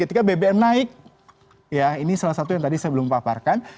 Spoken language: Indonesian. ketika bbm naik ya ini salah satu yang tadi saya belum paparkan